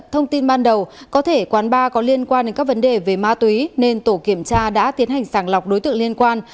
thông tin ban đầu có thể quán bar có liên quan đến các vấn đề về ma túy nên tổ kiểm tra đã tiến hành sàng lọc đối tượng liên quan